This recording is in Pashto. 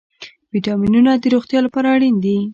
ویټامینونه د روغتیا لپاره اړین دي